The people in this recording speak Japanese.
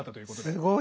すごい。